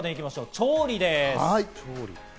調理です。